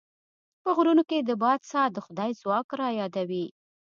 په غرونو کې د باد ساه د خدای ځواک رايادوي.